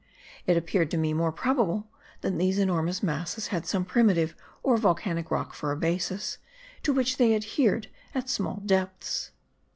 It appeared to me more probable that these enormous masses had some primitive or volcanic rock for a basis, to which they adhered at small depths.